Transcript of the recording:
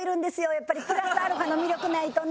やっぱりプラスアルファの魅力ないとね。